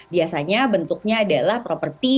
biasanya bentuknya adalah properti